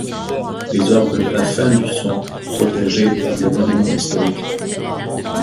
Les orgues de la fin du sont protégés par les monuments historiques.